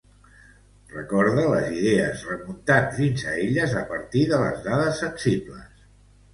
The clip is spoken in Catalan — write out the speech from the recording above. Recorde les idees remuntant fins a elles a partir de les dades sensibles.